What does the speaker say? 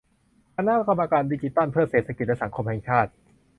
คณะกรรมการดิจิทัลเพื่อเศรษฐกิจและสังคมแห่งชาติ